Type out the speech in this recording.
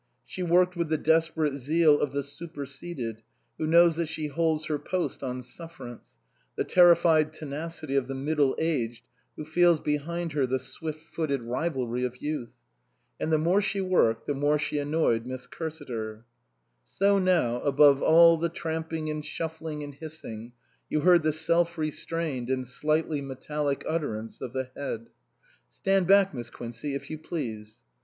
She worked with the desperate zeal of the superseded who knows that she holds her post on sufferance, the terrified tenacity of the middle aged who feels behind her the swift footed rivalry of youth. And the more she worked the more she annoyed Miss Cur siter. So now, above all the tramping and shuffling and hissing, you heard the self restrained and slightly metallic utterance of the Head. " Stand back, Miss Quincey, if you please."